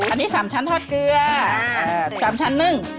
อันนี้๓ชั้นทอดเกลือ๓ชั้นนึ่ง